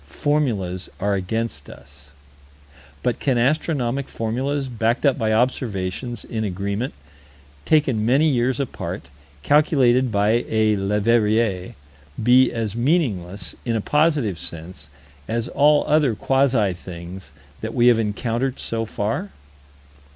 Formulas are against us. But can astronomic formulas, backed up by observations in agreement, taken many years apart, calculated by a Leverrier, be as meaningless, in a positive sense, as all other quasi things that we have encountered so far?